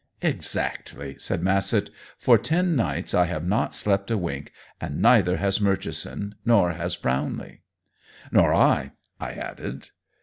"Exactly!" said Massett. "For ten nights I have not slept a wink, and neither has Murchison, nor has Brownlee " "Nor I," I added.